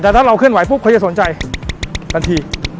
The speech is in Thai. แต่ถ้าเราเคลื่อนไหวปุ๊บเขาจะสนใจทันที